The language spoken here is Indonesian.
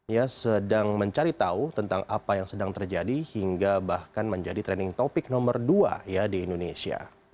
ya sedang mencari tahu tentang apa yang sedang terjadi hingga bahkan menjadi trending topic nomor dua ya di indonesia